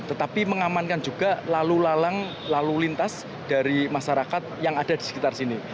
tetapi mengamankan juga lalu lalang lalu lintas dari masyarakat yang ada di sekitar sini